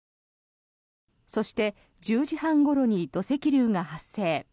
そして、１０時半ごろに土石流が発生。